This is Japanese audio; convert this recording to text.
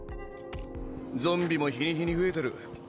ゾンビも日に日に増えてる。